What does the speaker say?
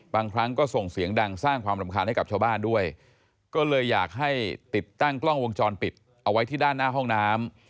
บางครั้งก็ส่งเสียงดังสร้างความรำคาญให้กับชาวบ้านด้วยก็เลยอยากให้ติดตั้งกล้องวงจรปิดเอาไว้ที่ด้านหน้าห้องน้ำ